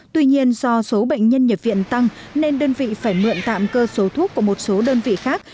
tuy nhiên do số bệnh nhân nhập viện tăng nên đơn vị phải mượn tạm cơ số thuốc của một số đơn vị khác